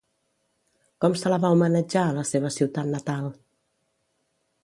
Com se la va homenatjar a la seva ciutat natal?